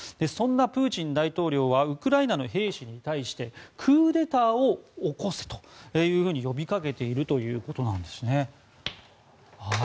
そんなプーチン大統領はウクライナの兵士に対してクーデターを起こせと呼びかけているということです。